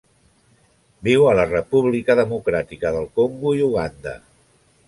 Viu a la República Democràtica del Congo i Uganda.